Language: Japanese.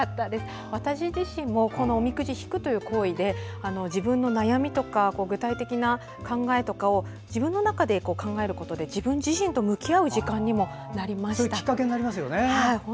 私自身もおみくじを引くという行為で自分の悩みとか具体的な考えとかを自分の中で考えることで自分自身と向き合う時間にもなりました。